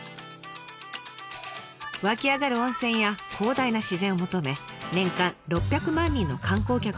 湧き上がる温泉や広大な自然を求め年間６００万人の観光客が訪れていました。